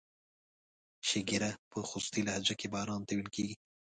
شیګیره په خوستی لهجه کې باران ته ویل کیږي.